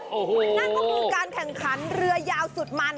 นั่นก็คือการแข่งขันเรือยาวสุดมัน